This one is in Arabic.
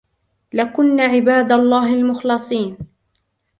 لكنا عباد الله المخلصين